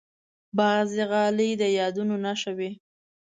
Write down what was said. بعضې غالۍ د یادونو نښه وي.